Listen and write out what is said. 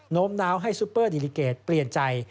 ้มน้าวให้ซุปเปอร์ดิลิเกตเปลี่ยนใจ